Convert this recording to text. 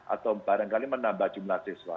atau barangkali menambah jumlah siswa